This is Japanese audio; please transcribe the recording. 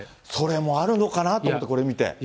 それもあるのかなと思って、これ見て。